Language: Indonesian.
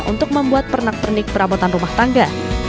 untuk membuat pernak pernik perabotan rumah tangga